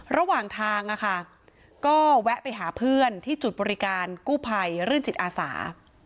ระหว่างทางก็แวะไปหาเพื่อนที่จุดบริการกู้ภัยรื่นจิตอาสา